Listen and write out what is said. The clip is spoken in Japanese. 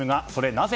なぜ